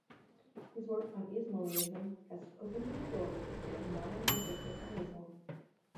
His work on Ismailism has opened new doors for the modern researchers on Islam.